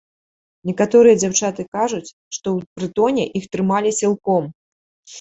Некаторыя дзяўчаты кажуць, што ў прытоне іх трымалі сілком.